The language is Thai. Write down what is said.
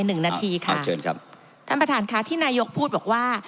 หนึ่งนาทีค่ะเชิญครับท่านประธานค่ะที่นายกพูดบอกว่า